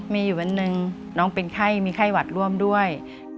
มีอยู่วันหนึ่งน้องเป็นไข้มีไข้หวัดร่วมด้วย